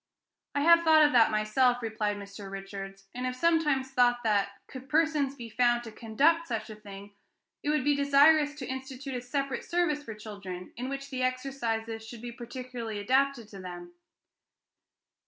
"I have thought of that myself," replied Mr. Richards, "and have sometimes thought that, could persons be found to conduct such a thing, it would be desirable to institute a separate service for children, in which the exercises should be particularly adapted to them."